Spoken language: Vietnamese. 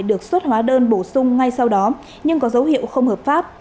được xuất hóa đơn bổ sung ngay sau đó nhưng có dấu hiệu không hợp pháp